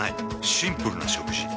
シンプルな食事。